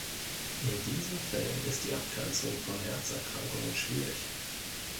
In diesen Fällen ist die Abgrenzung von Herzerkrankungen schwierig.